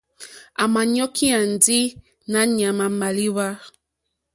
À mà ɲɔ́kyá ndí nǎ ɲàmà màlíwá.